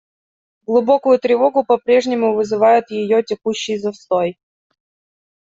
Глубокую тревогу по-прежнему вызывает ее текущий застой.